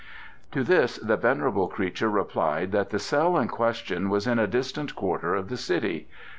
To this the venerable creature replied that the cell in question was in a distant quarter of the city.